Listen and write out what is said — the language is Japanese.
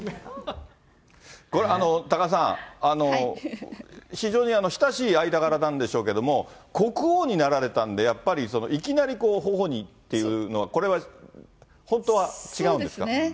これ、多賀さん、非常に親しい間柄なんでしょうけれども、国王になられたんで、やっぱりいきなりほほにっていうのは、そうですね。